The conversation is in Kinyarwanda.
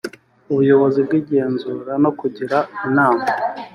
ubuyobozi bw’igenzura no kugira inama